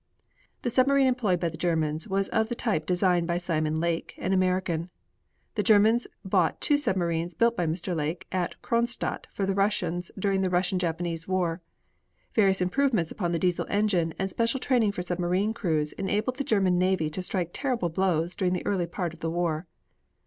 The submarine employed by the Germans was of the type designed by Simon Lake, an American. The Germans bought two submarines built by Mr. Lake at Kronstadt for the Russians during the Russian Japanese war. Various improvements upon the Diesel engine and special training for submarine crews enabled the German navy to strike terrible blows during the early part of the war.